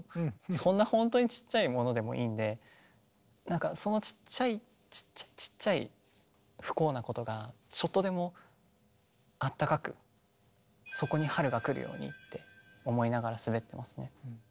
そんな本当にちっちゃいものでもいいんでそのちっちゃいちっちゃいちっちゃい不幸なことがちょっとでもあったかくそこに春が来るようにって思いながら滑ってますね。